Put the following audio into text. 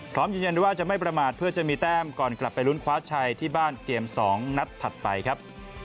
พร้อมยืนยันว่าจะไม่ประมาทเพื่อจะมีแต้มก่อนกลับไปลุ้นคว้าชัยที่บ้านเกม๒นัดถัดไปครับ